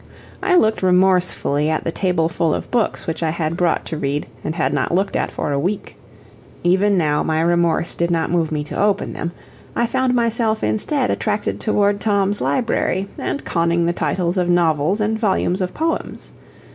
I looked remorsefully at the tableful of books which I had brought to read, and had not looked at for a week. Even now my remorse did not move me to open them I found myself instead attracted toward Tom's library, and conning the titles of novels and volumes of poems.